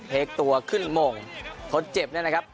เพกตัวขึ้นหม่วงทดเจ็บเล่านั่นครับ